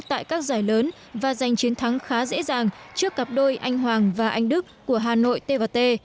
tại các giải lớn và giành chiến thắng khá dễ dàng trước cặp đôi anh hoàng và anh đức của hà nội tv